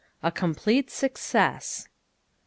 A COMPLETE SUCCESS.